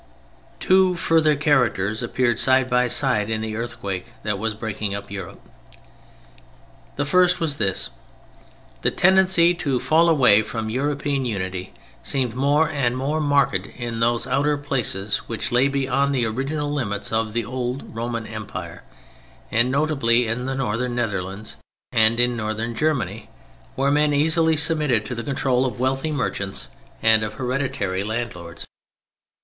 Two further characters appeared side by side in the earthquake that was breaking up Europe. The first was this: the tendency to fall away from European unity seemed more and more marked in those outer places which lay beyond the original limits of the old Roman Empire, and notably in the Northern Netherlands and in Northern Germany—where men easily submitted to the control of wealthy merchants and of hereditary landlords.